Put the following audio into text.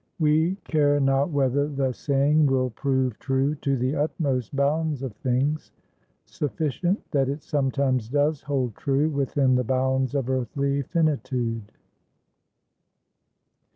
We care not whether the saying will prove true to the utmost bounds of things; sufficient that it sometimes does hold true within the bounds of earthly finitude.